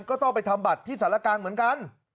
ก็ต้องไปทำบัตรที่สารกลางเหมือนกัน